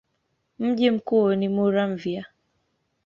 Mji mkuu ni Muramvya.